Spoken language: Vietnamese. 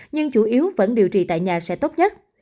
nhưng chủ yếu vẫn điều trị tại nhà sẽ tốt nhất